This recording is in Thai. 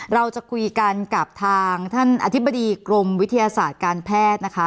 เราจะคุยกันกับทางท่านอธิบดีกรมวิทยาศาสตร์การแพทย์นะคะ